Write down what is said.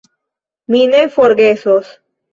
Mi ne forgesos.